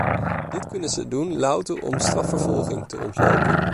Dit kunnen ze doen louter om strafvervolging te ontlopen.